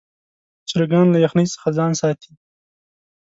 چرګان له یخنۍ څخه ځان ساتي.